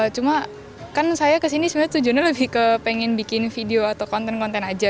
cuma kan saya kesini sebenarnya tujuannya lebih ke pengen bikin video atau konten konten aja